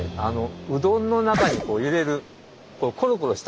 うどんの中に入れるコロコロした。